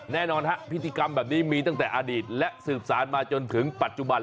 แน่นอนฮะพิธีกรรมแบบนี้มีตั้งแต่อดีตและสืบสารมาจนถึงปัจจุบัน